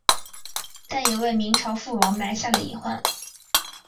但也为明朝覆亡埋下了隐患。